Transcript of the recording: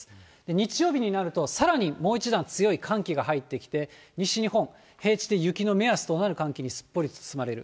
日曜日になるとさらにもう一段強い寒気が入ってきて、西日本、平地で雪の目安となる寒気にすっぽり包まれる。